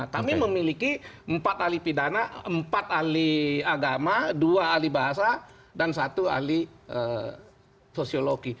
kami memiliki empat ahli pidana empat ahli agama dua ahli bahasa dan satu ahli sosiologi